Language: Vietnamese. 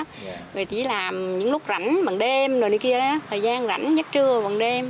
người chỉ làm những lúc rảnh bằng đêm rồi đi kia đó thời gian rảnh dắt trưa bằng đêm